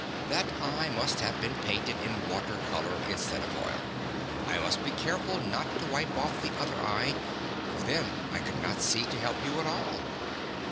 "That eye must have been painted in water color, instead of oil. I must be careful not to wipe off the other eye, for then I could not see to help you at all."